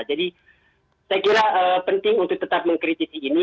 jadi saya kira penting untuk tetap mengkritisi ini